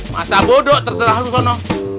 masa bodoh terserah lu sono